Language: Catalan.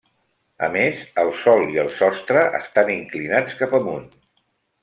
A més, el sòl i el sostre estan inclinats cap amunt.